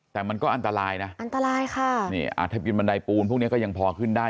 แต่มันก็อันตรายนะอันตรายค่ะนี่อ่าถ้ากินบันไดปูนพวกนี้ก็ยังพอขึ้นได้